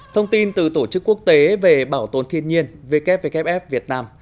thông tin từ tổ chức quốc tế về bảo tồn thiên nhiên wwf việt nam